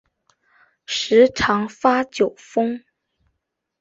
时常发酒疯